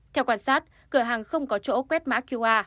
theo quan sát cửa hàng không có chỗ quét mã qr